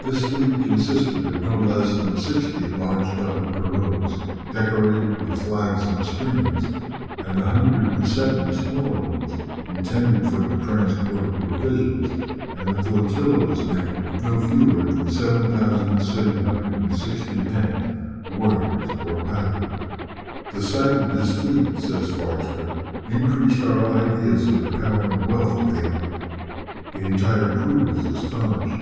This fleet consisted of no less than sixty large double pirogues, decorated with flags and streamers, and 170 smaller ones, intended for the transport of provisions, and the flotilla was manned with no fewer than 7760 men, warriors or paddlers. "The sight of this fleet," says Forster, "increased our ideas of the power and wealth of this island. The entire crew was astonished.